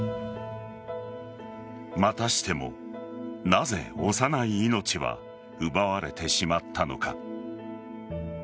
またしても、なぜ幼い命が奪われてしまったのか。